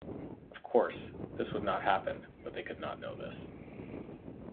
Of course, this would not happen, but they could not know this.